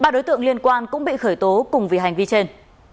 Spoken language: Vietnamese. ba đối tượng liên quan cũng bị khởi tố cùng vì hành vi trên